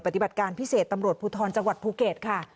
ปฏิบัติการพิเศษตำรวจภูทรจังหวัดภูเก็ตค่ะ